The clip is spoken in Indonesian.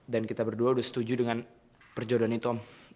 dan kita berdua udah setuju dengan perjodohan itu om